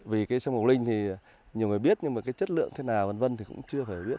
vì sân mộc linh thì nhiều người biết nhưng chất lượng thế nào vân vân thì cũng chưa phải biết